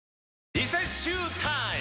リセッシュータイム！